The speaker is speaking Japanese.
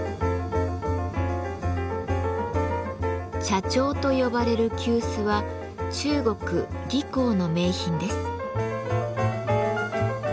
「茶銚」と呼ばれる急須は中国・宜興の名品です。